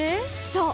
そう！